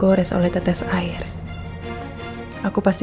aku sudah menang kulah makanya